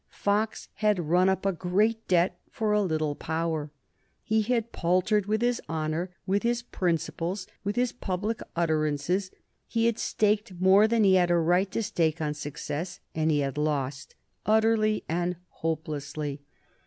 Fox had run up a great debt for a little power. He had paltered with his honor, with his principles, with his public utterances; he had staked more than he had a right to stake on success, and he had lost, utterly and hopelessly.